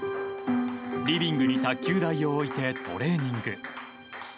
リビングに卓球台を置いてトレーニング。